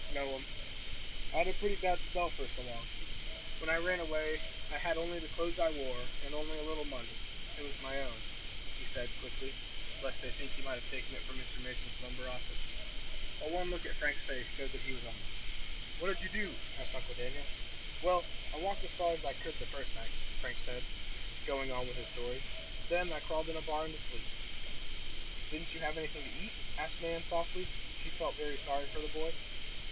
"No'm, I had a pretty bad spell first along. When I ran away I had only the clothes I wore, and only a little money. It was my own!" he said, quickly, lest they think he might have taken it from Mr. Mason's lumber office. But one look at Frank's face showed that he was honest. "What did you do?" asked Uncle Daniel. "Well, I walked as far as I could the first night," Frank said, going on with his story. "Then I crawled in a barn to sleep." "Didn't you have anything to eat?" asked Nan softly. She felt very sorry for the boy.